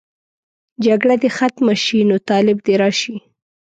جګړه دې ختمه شي، نو طالب دې راشي.